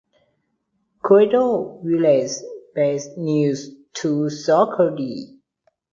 Crito relays bad news to Socrates.